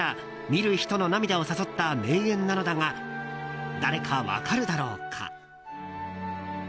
見る人の涙を誘った名演なのだが誰か分かるだろうか？